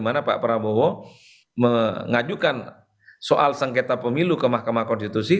mana pak prabowo mengajukan soal sengketa pemilu ke mahkamah konstitusi